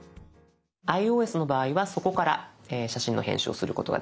ｉＯＳの場合はそこから写真の編集をすることができます。